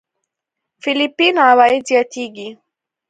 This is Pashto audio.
فېليپين عوايد زياتېږي.